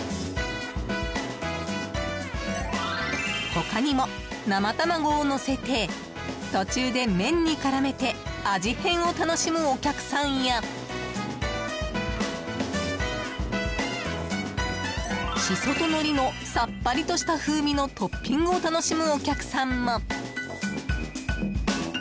他にも、生卵をのせて途中で麺に絡めて味変を楽しむお客さんやシソとのりのさっぱりとした風味のトッピングを楽しむお客さんも。